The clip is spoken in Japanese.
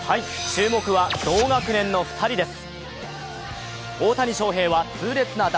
注目は同学年の２人です。